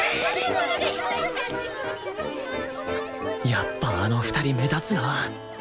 やっぱあの２人目立つな